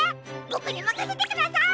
ボクにまかせてください！